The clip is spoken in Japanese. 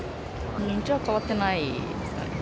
うちは変わってないですかね。